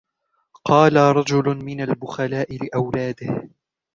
قال رجل من البخلاء لأولاده